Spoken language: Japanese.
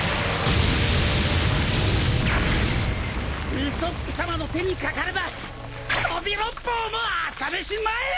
ウソップさまの手にかかれば飛び六胞も朝飯前よ！